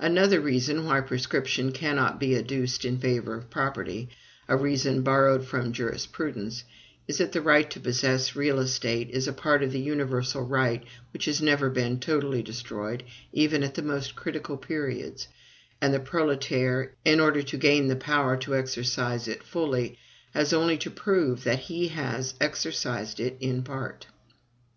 Another reason why prescription cannot be adduced in favor of property (a reason borrowed from jurisprudence) is that the right to possess real estate is a part of a universal right which has never been totally destroyed even at the most critical periods; and the proletaire, in order to regain the power to exercise it fully, has only to prove that he has always exercised it in part.